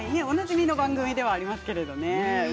おなじみの番組ではありますけどね。